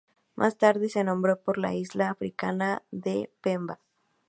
Más tarde se nombró por la isla africana de Pemba.